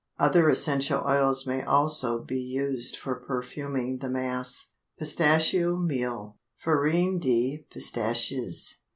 Other essential oils may also be used for perfuming the mass. PISTACHIO MEAL (FARINE DE PISTACHES).